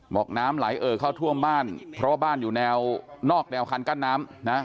บอกน้ำไหลเอ่อเข้าท่วมบ้านเพราะว่าบ้านอยู่แนวนอกแนวคันกั้นน้ำนะ